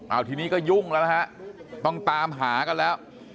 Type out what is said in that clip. เอาทีนี้ก็ยุ่งแล้วนะฮะต้องตามหากันแล้ว